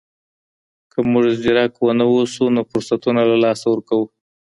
که موږ ځيرک نه واوسو نو فرصتونه له لاسه ورکوو.